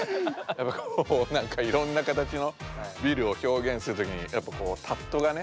こうなんかいろんなかたちのビルを表現するときにやっぱこうタットがね。